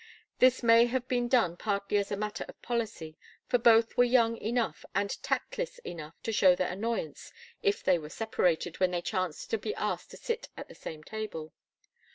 This may have been done partly as a matter of policy, for both were young enough and tactless enough to show their annoyance if they were separated when they chanced to be asked to sit at the same table.